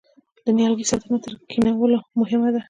د نیالګي ساتنه تر کینولو مهمه ده؟